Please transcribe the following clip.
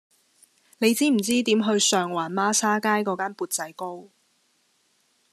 你知唔知點去上環孖沙街嗰間缽仔糕